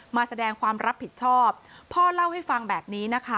มาแสดงความรับผิดชอบพ่อเล่าให้ฟังแบบนี้นะคะ